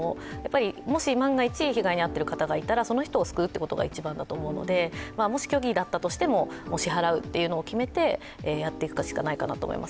もし万が一被害に遭っている方がいたらとしたら、その人を救うことが一番だと思うので、もし虚偽だったとしても支払うというのを決めてやっていくしかないと思います。